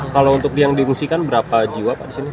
kalau untuk yang diungsikan berapa jiwa pak di sini